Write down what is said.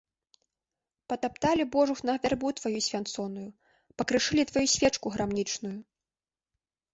Патапталі, божухна, вярбу тваю свянцоную, пакрышылі тваю свечку грамнічную.